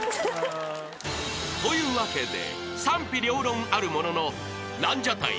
［というわけで賛否両論あるもののランジャタイ